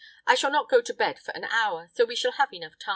"I shall not go to bed for an hour; so we shall have time enough."